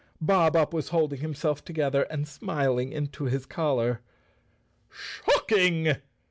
Bob Up was holding himself together and smiling into his collar. "Shocking!"